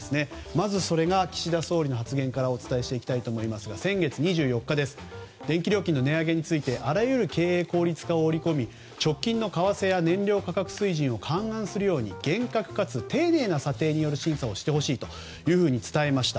まずは岸田総理の発言からお伝えしますが先月２４日電気料金の値上げについてあらゆる経営効率化を折り込み直近の為替や燃料価格水準を勘案するように厳格かつ丁寧な査定による審査をしてほしいと伝えました。